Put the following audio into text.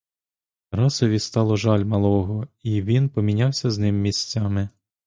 Тарасові стало жаль малого й він помінявся з ним місцями.